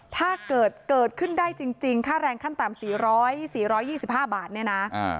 ถ้าเกิดเกิดขึ้นได้จริงค่าแรงขั้นต่ำ๔๐๐๔๒๕บาทเนี่ยนะ